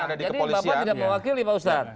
jadi bapak tidak mewakili pak ustad